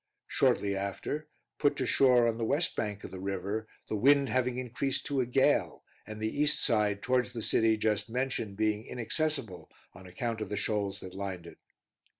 Shortly after, put to shore on the west bank of the river, the wind having increased to a gale, and the east side towards the city, just mentioned, being inaccessible on account of the shoals that lined it.